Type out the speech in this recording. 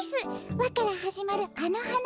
「ワ」からはじまるあのはな